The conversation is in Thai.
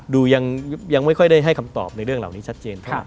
ยังไม่ค่อยได้ให้คำตอบในเรื่องเหล่านี้ชัดเจน